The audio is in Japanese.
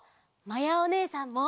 まやおねえさんも！